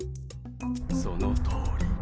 そのとおり。